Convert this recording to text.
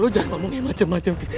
lu jangan ngomongnya macem macem viv